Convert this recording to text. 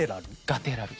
ガテラル。